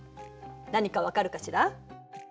何か分かるかしら？